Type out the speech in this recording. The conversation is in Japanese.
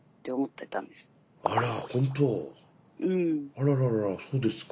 あららららそうですか。